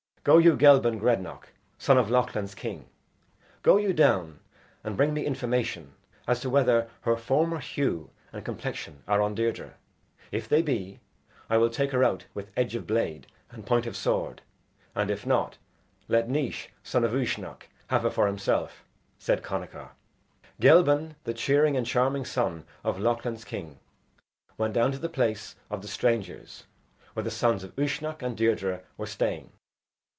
"Go you, Gelban Grednach, son of Lochlin's King, go you down and bring me information as to whether her former hue and complexion are on Deirdre. If they be, I will take her out with edge of blade and point of sword, and if not, let Naios, son of Uisnech, have her for himself," said Connachar. Gelban, the cheering and charming son of Lochlin's King, went down to the place of the strangers, where the sons of Uisnech and Deirdre were staying.